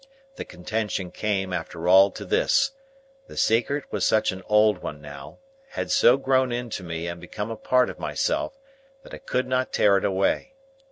The contention came, after all, to this;—the secret was such an old one now, had so grown into me and become a part of myself, that I could not tear it away.